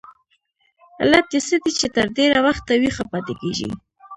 علت یې څه دی چې تر ډېره وخته ویښه پاتې کیږي؟